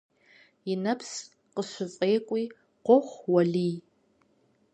И нэпс къыщыфӀекӀуи къохъу Уэлий.